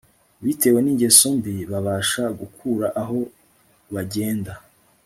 bitewe ningeso mbi babasha gukura aho bagenda